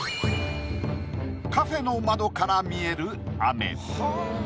カフェの窓から見える雨。